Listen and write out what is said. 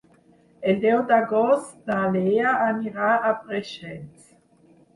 El deu d'agost na Lea anirà a Preixens.